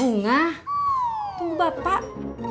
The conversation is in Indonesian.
bunga tunggu bapak pulang